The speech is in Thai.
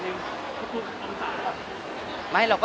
พี่คุณของคุณสาวต่างอะไร